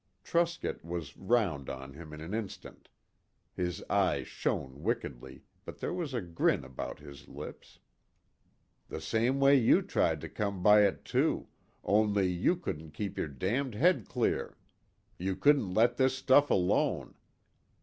Truscott was round on him in an instant. His eyes shone wickedly, but there was a grin about his lips. "The same way you tried to come by it too, only you couldn't keep your damned head clear. You couldn't let this stuff alone."